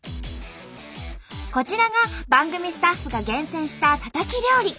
こちらが番組スタッフが厳選したタタキ料理。